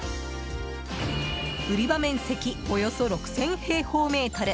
売り場面積およそ６０００平方メートル。